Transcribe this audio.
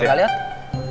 gak liat ya